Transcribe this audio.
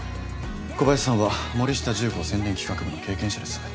小林さんはモリシタ重工宣伝企画部の経験者です。